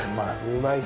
うまい。